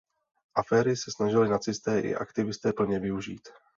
Aféry se snažili nacisté i aktivisté plně využít.